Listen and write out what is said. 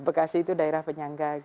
bekasi itu daerah penyangga